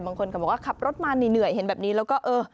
บางคนเขาบอกว่าขับรถมาเหนื่อยเห็นแบบนี้แล้วก็เออ